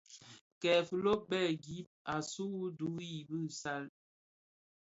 Kè filo bè gib a su wuduri i bisal.